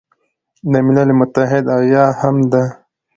د ملل متحد او یا هم د